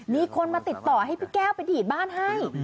มีคนมาติดต่อให้พี่แก้วไปดีดบ้านให้